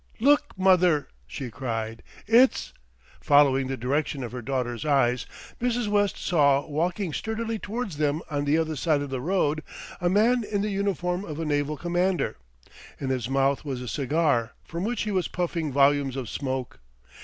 "Look, mother," she cried, "it's " Following the direction of her daughter's eyes Mrs. West saw walking sturdily towards them on the other side of the road, a man in the uniform of a naval commander. In his mouth was a cigar, from which he was puffing volumes of smoke.